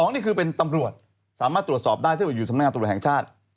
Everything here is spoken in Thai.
นี่คือเป็นตำรวจสามารถตรวจสอบได้ถ้าเกิดอยู่สำนักงานตรวจแห่งชาติ